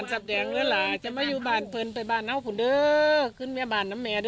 กลับมาส่งให้ที่บ้านสับแดงทำพิธีทางศาสนา